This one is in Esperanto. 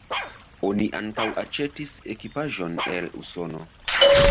Oni ankaŭ aĉetis ekipaĵon el Usono.